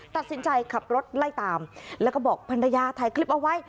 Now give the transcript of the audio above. ตัดสินใจขับรถไล่ตามแล้วก็บอกภรรยาถ่ายคลิปเอาไว้